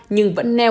nhưng vẫn neo ẩm